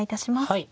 はい。